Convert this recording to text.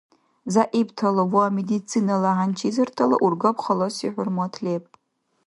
ЗягӀиптала ва медицинала хӀянчизартала ургаб халаси хӀурмат леб.